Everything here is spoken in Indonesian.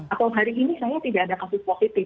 atau hari ini saya tidak ada kasus positif